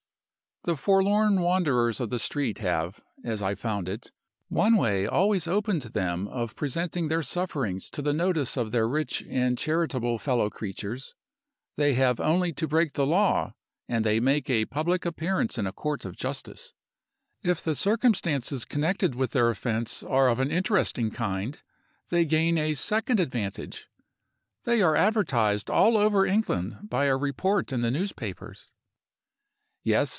"The forlorn wanderers of the streets have (as I found it) one way always open to them of presenting their sufferings to the notice of their rich and charitable fellow creatures. They have only to break the law and they make a public appearance in a court of justice. If the circumstances connected with their offense are of an interesting kind, they gain a second advantage: they are advertised all over England by a report in the newspapers. "Yes!